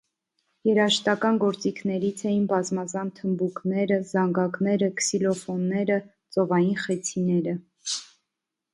Երաժշտական գործիքներից էին բազմազան թմբուկները, զանգակները, քսիլոֆոնները, ծովային խեցիները։